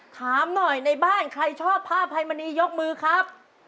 ถามหน่อยในบ้านใครชอบผ้าไพมณียกมือครับ